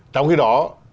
trong khi đó